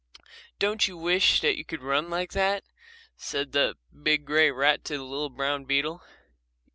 "Don't you wish that you could run like that?" said the big grey rat to the little brown beetle.